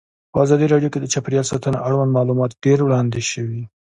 په ازادي راډیو کې د چاپیریال ساتنه اړوند معلومات ډېر وړاندې شوي.